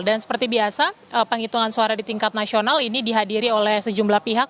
dan seperti biasa penghitungan suara di tingkat nasional ini dihadiri oleh sejumlah pihak